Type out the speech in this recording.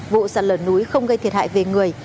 vụ sạt lở núi không gây thiệt hại về người